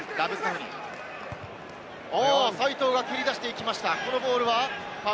齋藤が蹴り出していきました。